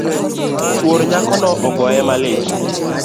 Chuor nyakono ogoye malit